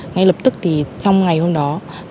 ngay lập tức trong ngày hôm đó